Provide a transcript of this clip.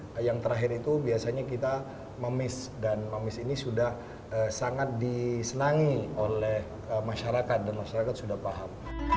nah yang terakhir itu biasanya kita memis dan mamis ini sudah sangat disenangi oleh masyarakat dan masyarakat sudah paham